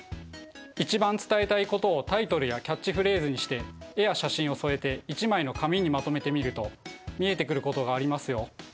一番伝えたいことをタイトルやキャッチフレーズにして絵や写真を添えて１枚の紙にまとめてみると見えてくることがありますよ。